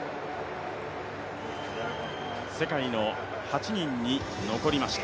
世界の８人に残りました。